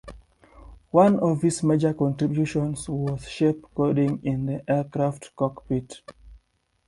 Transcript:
One of his major contributions was shape coding in the aircraft cockpit.